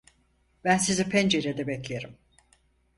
Ben sizi pencerede beklerim.